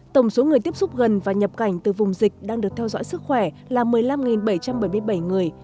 tổng số người tiếp xúc gần và nhập cảnh từ vùng dịch đang được theo dõi sức khỏe là một mươi năm bảy trăm bảy mươi bảy người